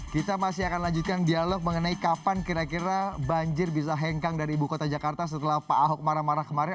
kita masih akan lanjutkan dialog mengenai kapan kira kira banjir bisa hengkang dari ibu kota jakarta setelah pak ahok marah marah kemarin